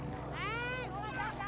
neng kade kade neng budak neng